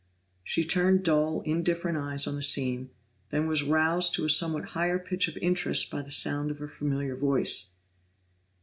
She turned dull, indifferent eyes on the scene, then was roused to a somewhat higher pitch of interest by the sound of a familiar voice.